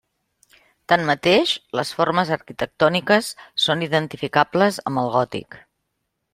Tanmateix, les formes arquitectòniques són identificables amb el gòtic.